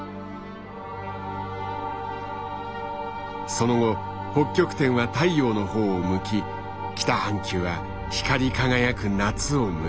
その後北極点は太陽のほうを向き北半球は光り輝く夏を迎える。